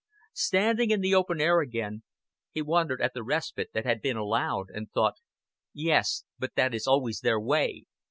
Standing in the open air again he wondered at the respite that had been allowed, and thought, "Yes, but that is always their way.